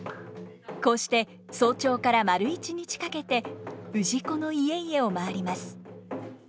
こうして早朝から丸一日かけて氏子の家々を回ります。